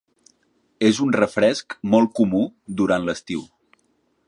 És un refresc molt comú durant l"estiu.